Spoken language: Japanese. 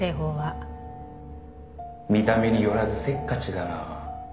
「見た目によらずせっかちだな」